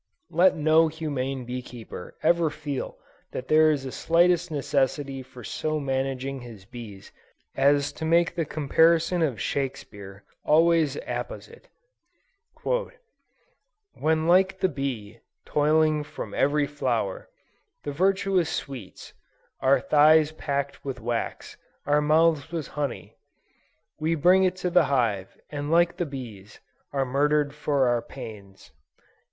Let no humane bee keeper ever feel that there is the slightest necessity for so managing his bees as to make the comparison of Shakespeare always apposite: "When like the Bee, tolling from every flower The virtuous sweets; Our thighs packed with wax, our mouths, with honey, We bring it to the hive; and like the bees, Are murdered for our pains."